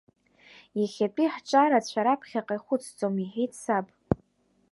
Иахьатәи ҳҿарацәа раԥхьаҟа ихәыцӡом, — иҳәеит саб.